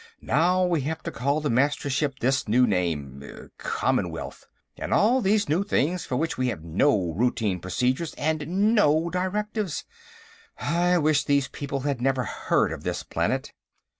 Now we have to call the Mastership this new name, Commonwealth. And all these new things, for which we have no routine procedures and no directives. I wish these people had never heard of this planet."